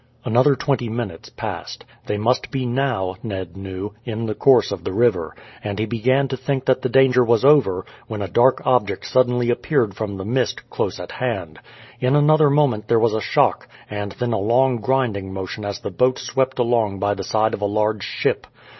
Another twenty minutes passed. They must be now, Ned knew, in the course of the river; and he began to think that the danger was over, when a dark object suddenly appeared from the mist, close at hand. In another moment there was a shock, and then a long grinding motion as the boat swept along by the side of a large ship.